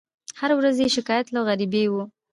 هره ورځ یې شکایت له غریبۍ وو